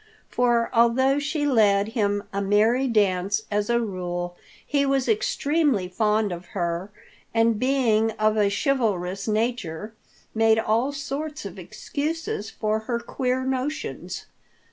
For although she led him a merry dance as a rule, he was extremely fond of her, and being of a chivalrous nature, made all sorts of excuses for her queer notions.